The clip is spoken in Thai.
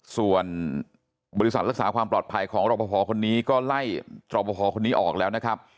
ส่วนบริษัทรักษาความปลอดภัยของรอปภคนนี้ก็ไล่ตรบภคนนี้ออกแล้วนะครับ